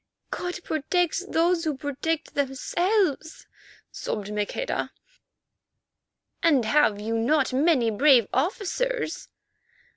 "God protects those who protect themselves," sobbed Maqueda. "And have you not many brave officers?"